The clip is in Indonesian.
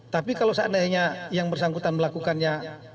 tapi kalau seandainya yang bersangkutan melakukannya